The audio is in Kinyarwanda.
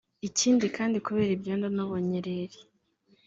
Ikindi kandi kubera ibyondo n’ubunyereri